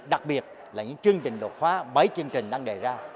đặc biệt là những chương trình đột phá bảy chương trình đang đề ra